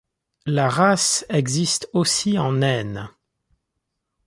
La race existe aussi en naine.